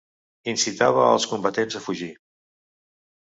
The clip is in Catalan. Incitava els combatents a fugir.